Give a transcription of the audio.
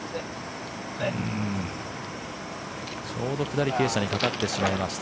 ちょうど下り傾斜にかかってしまいました。